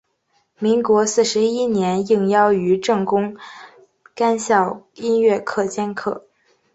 民国四十一年应邀于政工干校音乐科兼课。